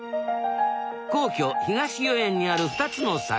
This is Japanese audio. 皇居東御苑にある２つの坂。